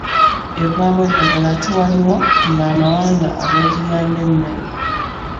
Evaamu eddagala ate waliwo ng'amawanga agagirya ng'emmere